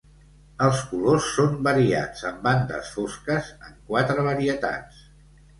Els colors són variats amb bandes fosques en quatre varietats.